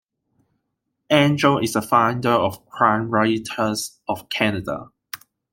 Engel is a founder of Crime Writers of Canada.